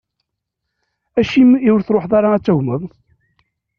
Acim i ur truḥeḍ ara ad d-tagmeḍ?